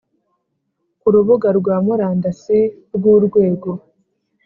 Ku rubuga rwa murandasi rw urwego